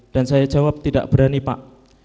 dan saya jawab tidak berani pak